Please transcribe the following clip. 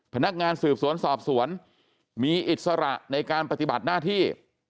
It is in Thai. พนักงานสืบสวนสอบสวนมีอิสระในการปฏิบัติหน้าที่